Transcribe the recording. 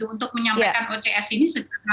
untuk menyampaikan ocs ini